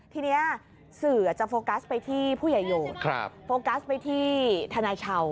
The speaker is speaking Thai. ทีนี้สื่อจะโฟกัสไปที่ผู้ใหญ่โยชน์โฟกัสไปที่ทนายชาว